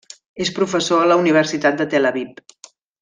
És professor a la Universitat de Tel Aviv.